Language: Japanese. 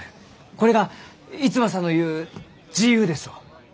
これが逸馬さんの言う自由ですろう？